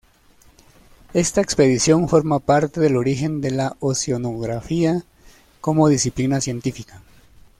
Esta expedición forma parte del origen de la oceanografía como disciplina científica.